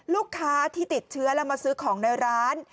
ลูกค้าที่ติดเชื้อแล้วมาซื้อของในร้าน